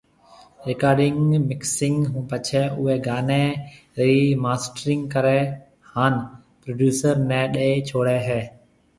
رڪارڊنگ مڪسنگ ھونپڇي اوئي گاني ري ماسٽرنگ ڪري ھان پروڊيوسر ني ڏي ڇوڙي ھيَََ